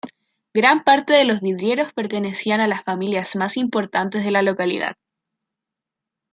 Gran parte de los vidrieros pertenecían a las familias más importantes de la localidad.